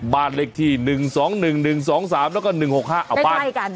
บ้านเล็กที่หนึ่งสองหนึ่งหนึ่งสองสามแล้วก็หนึ่งหกห้าใกล้ใกล้กัน